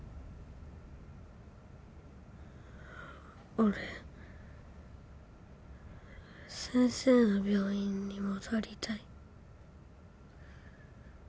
俺先生の病院に戻りたい。